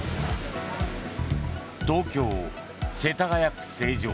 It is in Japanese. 東京・世田谷区成城。